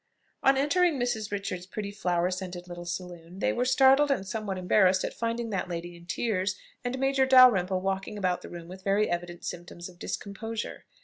On entering Mrs. Richards's pretty flower scented little saloon, they were startled and somewhat embarrassed at finding that lady in tears, and Major Dalrymple walking about the room with very evident symptoms of discomposure.